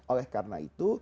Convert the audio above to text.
oleh karena itu